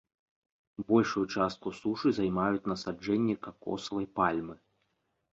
Большую частку сушы займаюць насаджэнні какосавай пальмы.